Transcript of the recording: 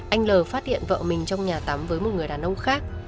anh l phát hiện vợ mình trong nhà tắm với một người đàn ông khác